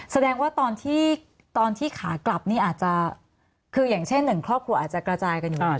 แสดงว่าตอนที่ขากลับนี่อาจจะคืออย่างเช่นหนึ่งครอบครัวอาจจะกระจายกันอยู่